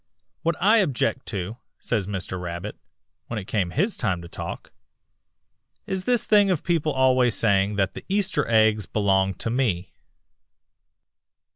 "'What I object to,' says Mr. Rabbit, when it came his time to talk, 'is this thing of people always saying that the Easter eggs belong to me.'